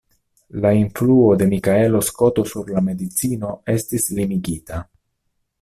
La influo de Mikaelo Skoto sur la medicino estis limigita.